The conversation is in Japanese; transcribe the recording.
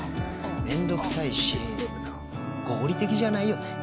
めんどくさいし合理的じゃないよね？